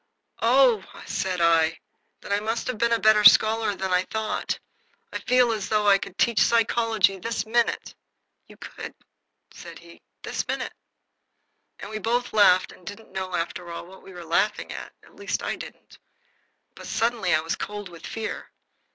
"Oh," said I, "then I must have been a better scholar than I thought. I feel as if I could teach psychology this minute." "You could," said he, "this minute." And we both laughed and didn't know, after all, what we were laughing at at least I didn't. But suddenly I was cold with fear.